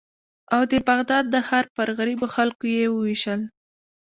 او د بغداد د ښار پر غریبو خلکو یې ووېشل.